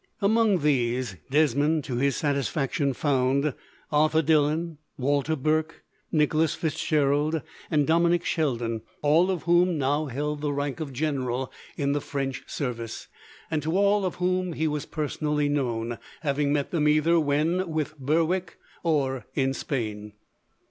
Among these Desmond, to his satisfaction, found Arthur Dillon, Walter Burke, Nicholas Fitzgerald, and Dominic Sheldon, all of whom now held the rank of general in the French service, and to all of whom he was personally known, having met them either when with Berwick or in Spain.